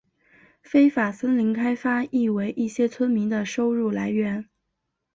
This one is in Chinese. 非法森林开发亦为一些村民的收入来源。